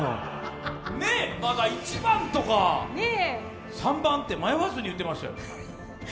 まだ１番とか３番って迷わずに言ってましたよ。